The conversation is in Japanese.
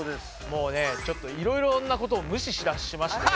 もうねちょっといろいろなことを無視しだしまして。